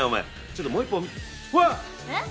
ちょっともう１本わっ！！